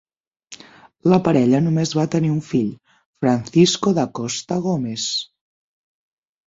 La parella només va tenir un fill, Francisco da Costa Gomes.